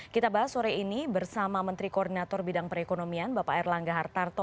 kita bahas sore ini bersama menteri koordinator bidang perekonomian bapak erlangga hartarto